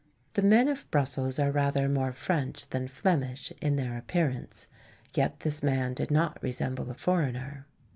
The men of Brussels are rather more French than Flemish in their appearance, yet this man did not resemble a foreigner.